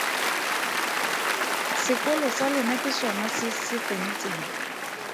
Sekolo sa lona ke sona se se fentseng.